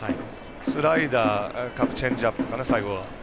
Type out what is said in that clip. スライダー、チェンジアップかな最後。